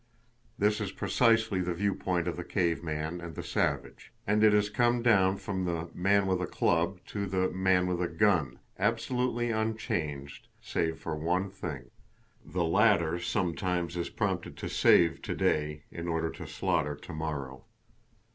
This is precisely the viewpoint of the cave man and the savage, and it has come down from the Man with a Club to the Man with a Gun absolutely unchanged save for one thing: the latter sometimes is prompted to save to day in order to slaughter to morrow.